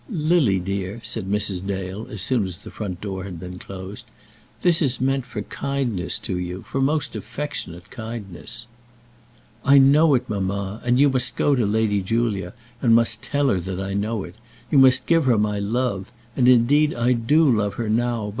"Lily, dear," said Mrs. Dale, as soon as the front door had been closed, "this is meant for kindness to you, for most affectionate kindness." "I know it, mamma; and you must go to Lady Julia, and must tell her that I know it. You must give her my love. And, indeed, I do love her now.